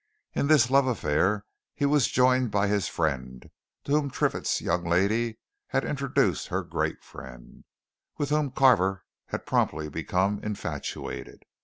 In this love affair he was joined by his friend, to whom Triffitt's young lady had introduced her great friend, with whom Carver had promptly become infatuated.